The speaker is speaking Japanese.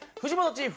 チーフ？